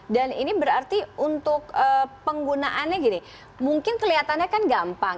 dan ini berarti untuk penggunaannya gini mungkin kelihatannya kan gampang